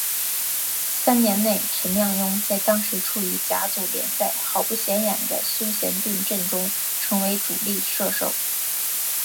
三年内陈亮镛在当时处于甲组联赛豪不显眼的修咸顿阵中成为主力射手。